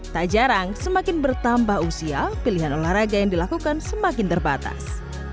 tak jarang semakin bertambah usia pilihan olahraga yang dilakukan semakin terbatas